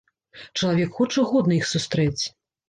Чалавек хоча годна іх сустрэць.